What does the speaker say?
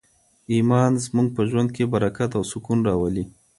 ایمان زموږ په ژوند کي برکت او سکون راولي.